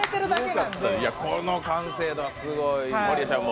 この完成度はすごい。